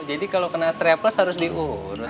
jadi kalau kena stripeless harus diurut pi